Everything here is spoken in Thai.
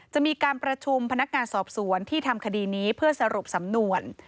จะมีการประชุมพนักงานสอบสวนที่ทำคดีนี้เพื่อสรุปสำนวน